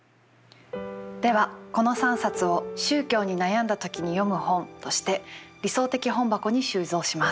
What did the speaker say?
ではこの３冊を「宗教に悩んだ時に読む本」として理想的本箱に収蔵します。